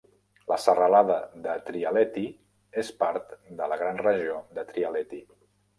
La serralada de Trialeti és part de la gran regió de Trialeti.